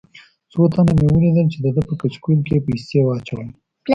څو تنه مې ولیدل چې دده په کچکول کې یې پیسې واچولې.